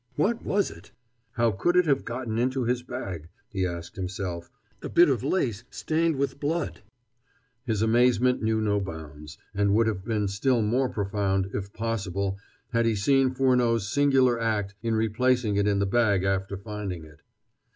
What was it? How could it have got into his bag? he asked himself a bit of lace stained with blood! His amazement knew no bounds and would have been still more profound, if possible, had he seen Furneaux's singular act in replacing it in the bag after finding it.